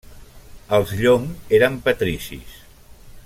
Els Llong eren patricis.